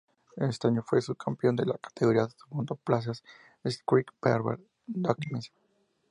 Ese año fue subcampeón de la categoría de monoplazas Skip Barber Dodge Midwest.